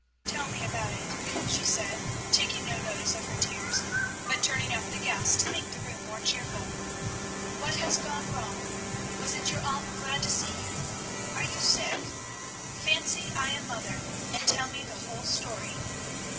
"Tell me all about it," she said, taking no notice of her tears, but turning up the gas to make the room more cheerful. "What has gone wrong? Wasn't your aunt glad to see you? Are you sick? Fancy I am mother, and tell me the whole story."